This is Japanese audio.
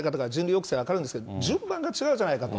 抑制は分かるんですけど、順番が違うじゃないかと。